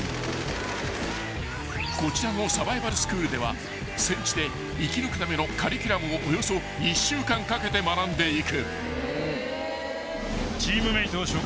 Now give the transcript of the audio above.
［こちらのサバイバルスクールでは戦地で生き抜くためのカリキュラムをおよそ１週間かけて学んでいく］